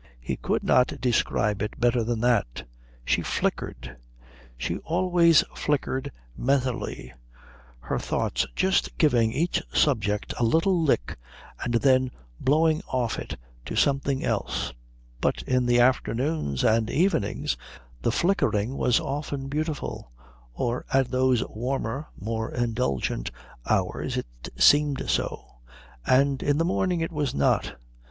He could not describe it better than that she flickered. She always flickered mentally, her thoughts just giving each subject a little lick and then blowing off it to something else, but in the afternoons and evenings the flickering was often beautiful, or at those warmer more indulgent hours it seemed so, and in the morning it was not.